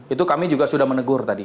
itu kami juga sudah menegur tadi